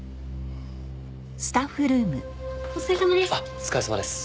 お疲れさまです。